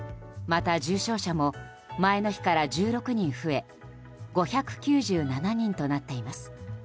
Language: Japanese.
また、重症者も前の日から１６人増え５９７人となっています。